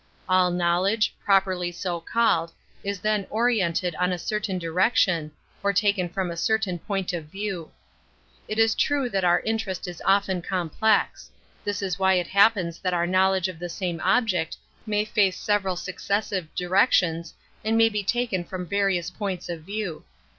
All knowledge, prop V. erly so called, is t hen o ri ented in a cer tain 1 7 direction, or taken from a certain^ppint of / view. It is true that our interest is often/ complex. This is why it happens that our knowledge of the same object may face sev 42 An Introduction to ifral MucceMKive directionin and may be taken ffom varioiiH pointH of riew.